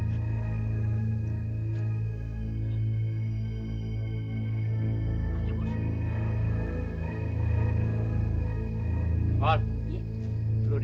kita pergi dulu